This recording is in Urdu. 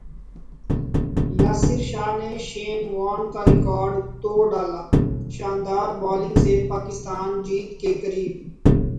یاسرشاہ نے شین وارن کا ریکارڈ توڑ ڈالا شاندار بالنگ سے پاکستان جیت کے قریب